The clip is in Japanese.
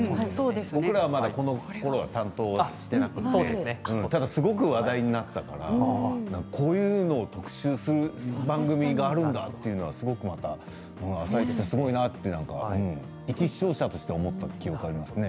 僕らはこのころ、まだ担当していなかったんですけどすごく話題になったからこういうの特集する番組があるんだというのは「あさイチ」はすごいなというのは一視聴者として思った記憶はありますね。